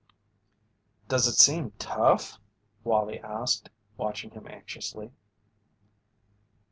"Does it seem tough?" Wallie asked, watching him anxiously.